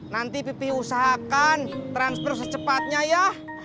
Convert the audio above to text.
nanti pipi usahakan transfer secepatnya ya